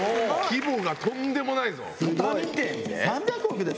規模がとんでもないぞ畳店で？